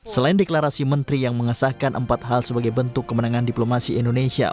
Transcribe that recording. selain deklarasi menteri yang mengesahkan empat hal sebagai bentuk kemenangan diplomasi indonesia